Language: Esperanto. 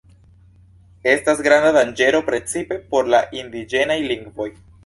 Estas granda danĝero precipe por la indiĝenaj lingvoj.